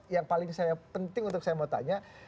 yang paling saya penting untuk saya mau tanya